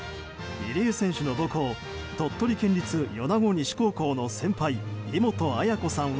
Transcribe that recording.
入江選手の母校鳥取県立米子西高校の先輩、イモトアヤコさんは。